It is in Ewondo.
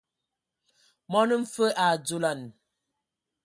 Mɔn mfǝ a dzolan.